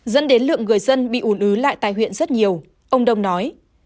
dẫn đến lượng người dân bị ủn ứ lại tại huyện rất nhiều ông đông nói